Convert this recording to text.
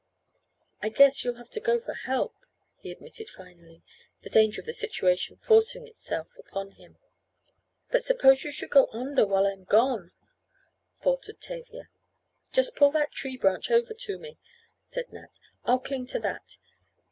"I guess you'll have to go for help," he admitted finally, the danger of the situation forcing itself upon him. "But suppose you should go under while I am gone?" faltered Tavia. "Just pull that tree branch over to me," said Nat, "and I'll cling to that.